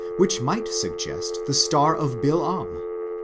which might suggest the star of Balaam.